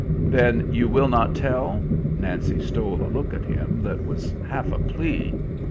"Then you will not tell?" Nancy stole a look at him that was half a plea.